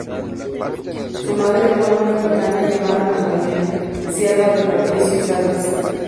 Su madre fue una africana llamada Magdalena, sierva de Patricio Salas.